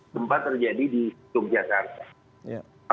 tempat terjadi di yogyakarta